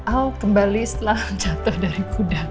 oh kembali setelah jatuh dari kuda